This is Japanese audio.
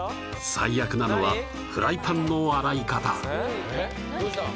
最悪なのはフライパンの洗い方どうした？